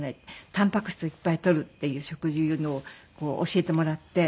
たんぱく質をいっぱい取るっていう食事をこう教えてもらって。